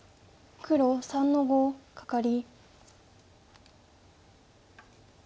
黒３の十五カカリ。